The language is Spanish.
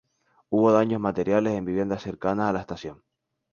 Hubo daños materiales en viviendas cercanas a la estación.